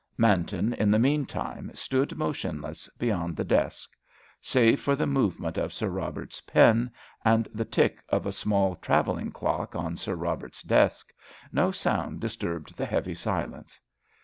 Manton, in the meantime, stood motionless beyond the desk. Save for the movement of Sir Robert's pen, and the tick of a small travelling clock on Sir Robert's desk, no sound disturbed the heavy silence.